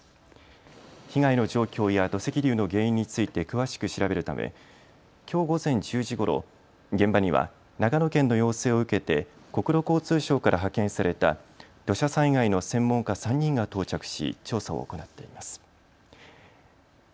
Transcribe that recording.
被害の状況や土石流の原因について詳しく調べるためきょう午前１０時ごろ、現場には長野県の要請を受けて国土交通省から派遣された土砂災害の専門家３人が到着し、調査を行っています。